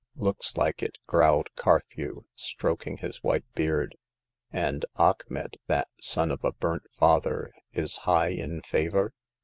looks like it," growled Carthew, stroking his white beard. "And Achmet, that son of a burnt father, is high in favor